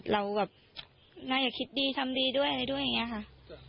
เราแบบน่าจะคิดดีทำดีด้วยอะไรด้วยอย่างนี้ค่ะ